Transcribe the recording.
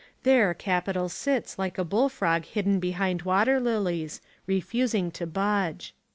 There capital sits like a bull frog hidden behind water lilies, refusing to budge.